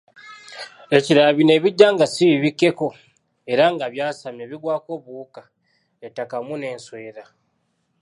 Ekirala bino ebijja nga si bibikkeko, era nga byasamye, bigwako obuwuka, ettaka wamu nensowera